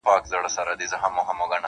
• دې ښکاري ته رسېدلی یو کمال وو -